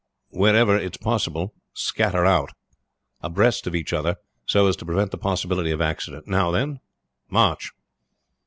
Wherever it is possible scatter out abreast of each other, so as to prevent the possibility of accident. Now, then, march!"